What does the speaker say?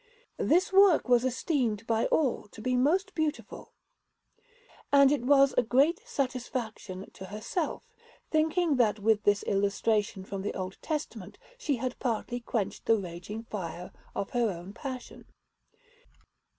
This work was esteemed by all to be most beautiful, and it was a great satisfaction to herself, thinking that with this illustration from the Old Testament she had partly quenched the raging fire of her own passion.